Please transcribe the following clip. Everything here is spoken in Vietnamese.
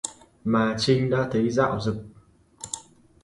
Mà Trinh đã thấy dạo rực